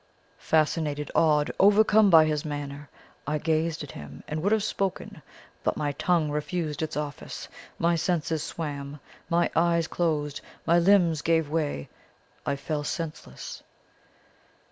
"Fascinated, awed, overcome by his manner, I gazed at him and would have spoken, but my tongue refused its office my senses swam my eyes closed my limbs gave way I fell senseless."